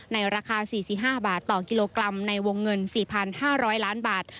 ในราคา๔๕บาทต่อกิโลกรัมในวงเงิน๔๕๐๐ล้านบาท